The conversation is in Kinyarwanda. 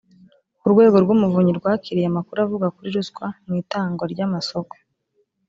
urwego rw’umuvunyi rwakiriye amakuru avuga kuri ruswa mu itangwa ry’amasoko